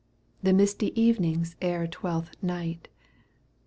The misty evenings ere Twelfth Night.